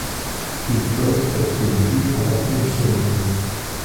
Ils peuvent être dus à l'apnée du sommeil.